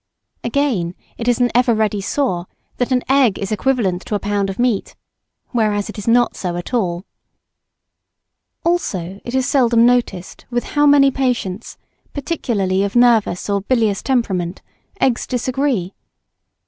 Again, it is an ever ready saw that an egg is equivalent to a lb. of meat, whereas it is not at all so. Also, it is seldom noticed with how many patients, particularly of nervous or bilious temperament, eggs disagree.